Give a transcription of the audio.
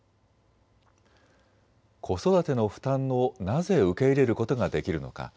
子育ての負担をなぜ受け入れることができるのか。